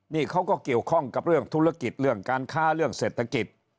นี่เขาก็เกี่ยวข้องกับเรื่องธุรกิจเรื่องการค้าเรื่องเศรษฐกิจ